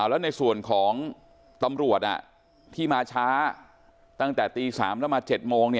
แล้วในส่วนของตำรวจที่มาช้าตั้งแต่ตี๓แล้วมา๗โมง